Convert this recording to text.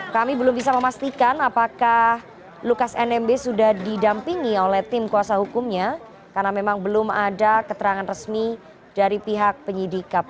kami belum bisa memastikan apakah lukas nmb sudah didampingi oleh tim kuasa hukumnya karena memang belum ada keterangan resmi dari pihak penyidik kpk